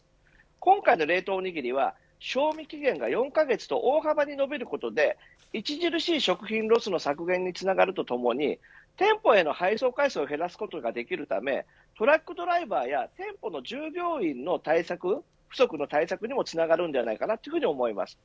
今回の冷凍おにぎりは賞味期限が４カ月と大幅に伸びることで著しい食品ロスの削減につながるとともに店舗への配送回数を減らすことができるためトラックドライバーや店舗の従業員不足の対策にも、つながるのではないかと思います。